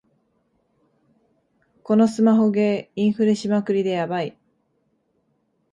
このスマホゲー、インフレしまくりでヤバい